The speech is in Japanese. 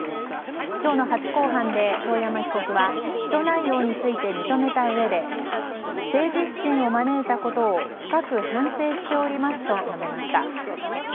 今日の初公判で遠山被告は起訴内容について認めたうえで政治不信を招いたことを深く反省しておりますと述べました。